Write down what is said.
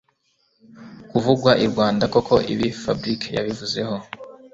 kuvugwa i Rwanda koko ibi Fabric yabivuze